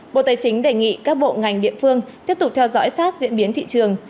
bộ tài chính đề nghị các bộ ngành địa phương tiếp tục theo dõi sát diễn biến thị trường